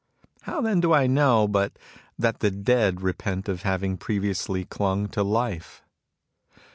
How then do I know but that the dead repent of having previously clung to life